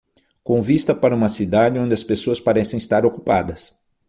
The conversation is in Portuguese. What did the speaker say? Com vista para uma cidade onde as pessoas parecem estar ocupadas.